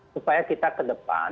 supaya kita ke depan